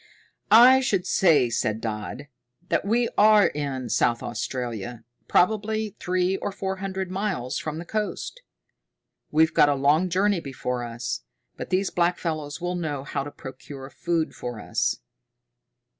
"I should say," said Dodd, "that we are in South Australia, probably three or four hundred miles from the coast. We've got a long journey before us, but these blackfellows will know how to procure food for us."